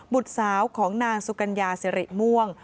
บุตรสาวของนางสุกัญญาสิริม่วง